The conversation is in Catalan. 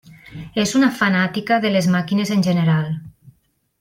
És una fanàtica de les màquines en general.